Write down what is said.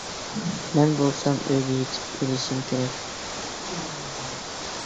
مەن بولسام ئۆيگە يېتىپ ئېلىشىم كېرەك.